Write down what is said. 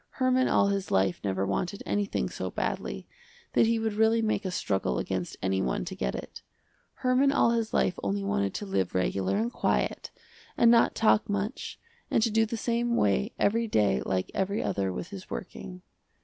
Herman all his life never wanted anything so badly, that he would really make a struggle against any one to get it. Herman all his life only wanted to live regular and quiet, and not talk much and to do the same way every day like every other with his working.